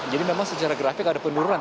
jadi memang secara grafik ada penurunan